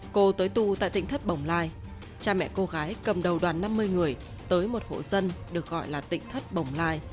cô tới tu tại tỉnh thất bồng lai cha mẹ cô gái cầm đầu đoàn năm mươi người tới một hộ dân được gọi là tỉnh thất bồng lai